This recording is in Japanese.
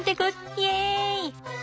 イエイ！